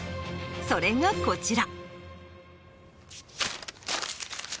それがこちら。